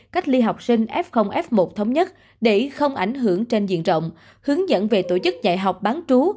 cách ly học sinh f f một thống nhất để không ảnh hưởng trên diện rộng hướng dẫn về tổ chức dạy học bán trú